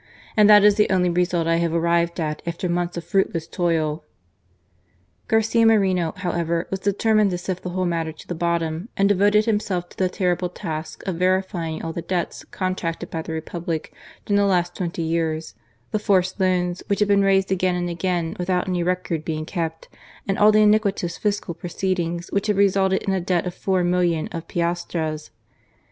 And that is the only result I have arrived at, after months of fruitless toil." Garcia Moreno, however, was determined to sift the whole matter to the bottom, and devoted himself to the terrible task of verifying all the debts con tracted by the Republic during the last twenty years, the forced loans, which had been raised again and again without any record being kept, and all the iniquitous fiscal proceedings which had resulted in a debt of four millions of piastres.